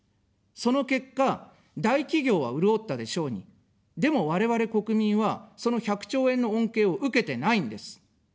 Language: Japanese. その結果、大企業は潤ったでしょうに、でも我々、国民は、その１００兆円の恩恵を受けてないんです。